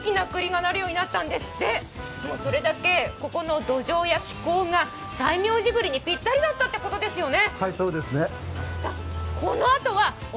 それだけここの土壌や気候が西明寺栗にぴったりだったということですね。